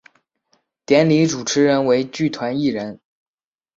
典礼主持人为剧团一人。